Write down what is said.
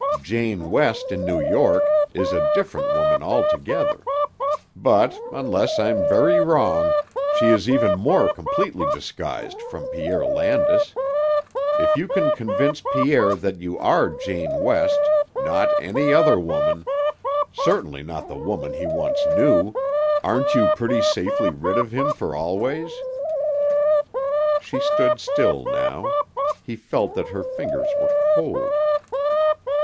Jane West in New York is a different woman altogether; but, unless I'm very wrong, she is even more completely disguised from Pierre Landis. If you can convince Pierre that you are Jane West, not any other woman, certainly not the woman he once knew, aren't you pretty safely rid of him for always?" She stood still now. He felt that her fingers were cold.